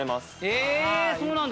えそうなんだ。